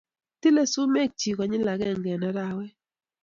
Tilei sumekchik konyil agenge eng arawet